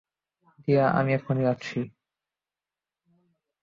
টিয়া - আমি এক্ষুনি আসছি।